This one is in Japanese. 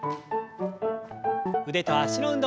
腕と脚の運動。